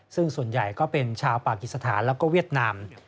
ซึ่งส่วนใหญ่ก็เป็นชาวปากิสถานแล้วก็เวียดนาม